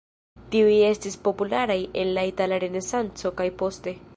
Tiuj estis popularaj en la Itala Renesanco kaj poste.